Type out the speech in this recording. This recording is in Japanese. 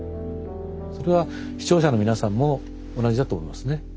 それは視聴者の皆さんも同じだと思いますね。